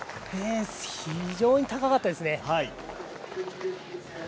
非常に高かったですね。